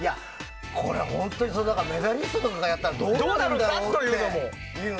これ本当にメダリストとかがやったらどうなるんだろうと思って。